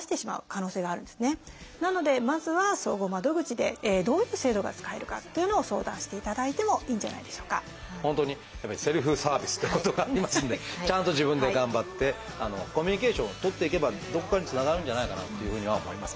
なのでまずは総合窓口でどういう制度が使えるかっていうのを相談していただいてもいいんじゃないでしょうか。本当にセルフサービスっていうことがありますのでちゃんと自分で頑張ってコミュニケーションを取っていけばどこかにつながるんじゃないかなっていうふうには思います。